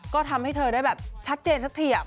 ก็ทำให้เธอได้แบบชัดเจนสักทีอะ